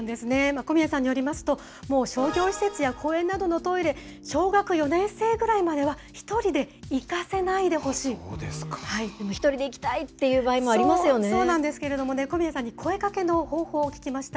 小宮さんによりますと、もう商業施設や公園などのトイレ、小学４年生ぐらいまでは１人で行かせなでも、１人で行きたいっていそうなんですけれどもね、小宮さんに声かけの方法を聞きました。